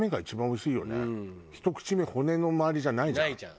ひと口目骨の周りじゃないじゃん。